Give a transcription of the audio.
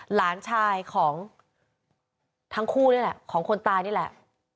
หลานชายของทั้งคู่นี่แหละของคนตายนี่แหละ